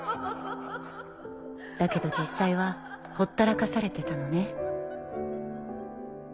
だけど実際はほったらかされてたのね。